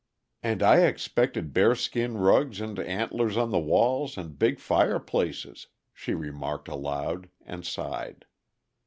"And I expected bearskin rugs, and antlers on the walls, and big fireplaces!" she remarked aloud, and sighed.